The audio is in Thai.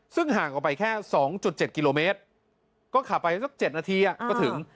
ซึ่งห่างออกไปแค่๒๗กิโลเมตรก็ขับไปสัก๗นาทีก็ถึง